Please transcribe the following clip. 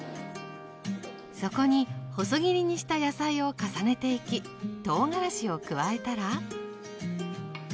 そこに細切りにした野菜を重ねていきとうがらしを加えたら。